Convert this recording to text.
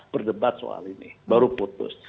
berdebat soal ini baru putus